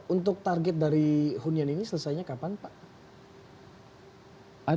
untuk target dari hunian ini selesainya kapan pak